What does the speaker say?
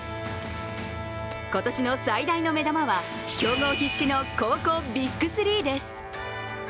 今年の最大の目玉は競合必至の高校ビッグ３です。